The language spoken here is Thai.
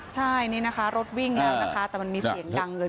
ใช่นี่นะคะรถวิ่งแล้วนะคะแต่มันมีเสียงดังเลย